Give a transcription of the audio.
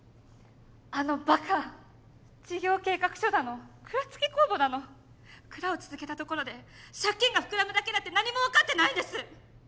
あのバカ事業計画書だの蔵付き酵母だの蔵を続けたところで借金が膨らむだけだって何も分かってないんです！